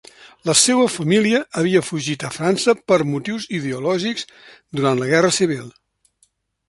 La seua família havia fugit a França per motius ideològics durant la Guerra Civil.